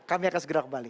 kami akan segera kembali